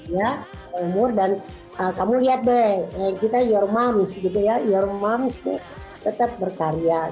ya umur dan kamu lihat deh kita your moms gitu ya your moms tuh tetap berkarya